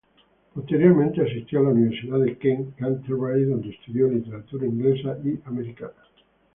Posteriormente asistió a la Universidad de Kent, Canterbury donde estudió Literatura Inglesa y Americana.